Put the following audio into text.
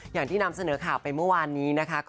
อย่างที่นำเสนอข่าวไปเมื่อวานนี้นะคะ